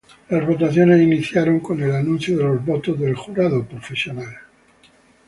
Las votaciones iniciaron con el anuncio de los votos del jurado profesional.